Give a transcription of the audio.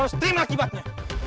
lu harus terima akibatnya